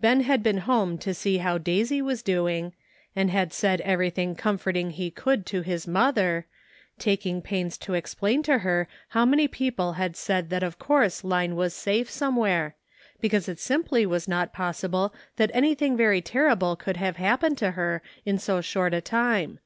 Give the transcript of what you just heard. Ben had been home to see how Daisy was doing, and had said every thing comforting he could to his mother, taking pains to explain to her how many people had said that of course Line was safe somewhere, because it simply was not possible that any thing very terrible could have happened to her in so short a time.